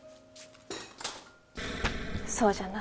そうじゃな。